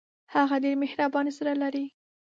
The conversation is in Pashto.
هغه ډېر مهربان زړه لري